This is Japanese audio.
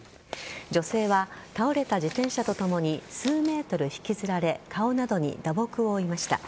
女性は倒れた自転車とともに数ｍ引きずられ顔などに打撲を負いました。